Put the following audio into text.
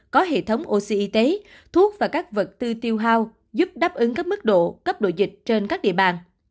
có hệ thống oxy thuốc và các vật tư tiêu hao giúp đáp ứng các mức độ cấp độ dịch trên các địa bàn